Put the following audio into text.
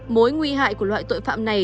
mối nguy hại của loại tội phạm này